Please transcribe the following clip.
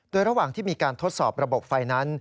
โดยระหว่างที่มีการทดสอบระบบไฟนั้น